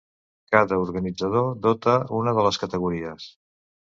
Cada organitzador dota una de les categories.